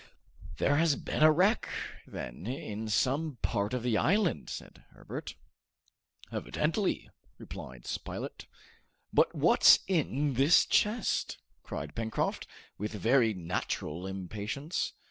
"There has been a wreck, then, in some part of the island," said Herbert. "Evidently," replied Spilett. "But what's in this chest?" cried Pencroft, with very natural impatience.